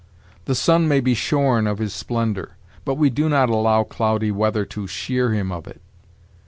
The sun may be shorn of his splendor; but we do not allow cloudy weather to shear him of it.